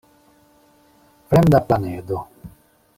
Fremda planedo.